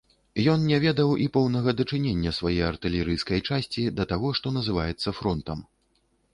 Ён не ведаў і поўнага дачынення свае артылерыйскай часці да таго, што называецца фронтам.